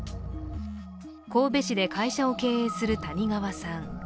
神戸市で会社を経営する谷川さん。